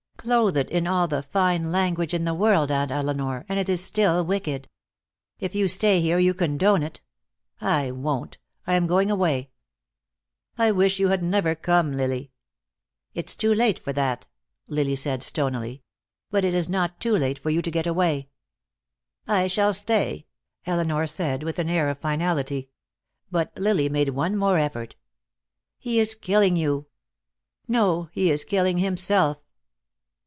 Clothe it in all the fine language in the world, Aunt Elinor, and it is still wicked. If you stay here you condone it. I won't. I am going away." "I wish you had never come, Lily." "It's too late for that," Lily said, stonily. "But it is not too late for you to get away." "I shall stay," Elinor said, with an air of finality. But Lily made one more effort. "He is killing you." "No, he is killing himself."